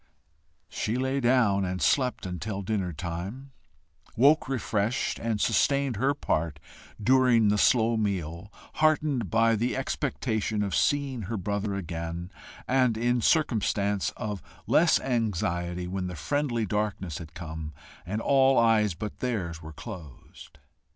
She lay down and slept until dinner time, woke refreshed, and sustained her part during the slow meal, heartened by the expectation of seeing her brother again and in circumstance of less anxiety when the friendly darkness had come, and all eyes but theirs were closed.